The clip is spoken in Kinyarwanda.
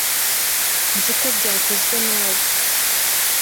nzi ko byakozwe na we